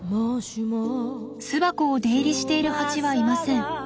巣箱を出入りしているハチはいません。